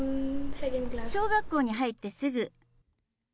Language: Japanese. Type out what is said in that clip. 小学校に入ってすぐ。